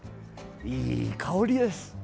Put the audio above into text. いい香りです。